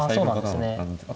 あそうなんですね。